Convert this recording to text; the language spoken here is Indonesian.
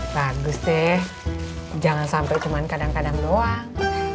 bagus deh jangan sampai cuma kadang kadang doang